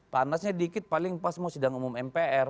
panasnya dikit paling pas mau sidang umum mpr